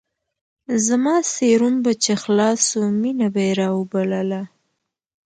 زما سيروم به چې خلاص سو مينه به يې راوبلله.